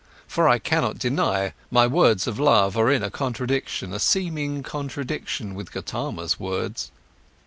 For I cannot deny, my words of love are in a contradiction, a seeming contradiction with Gotama's words.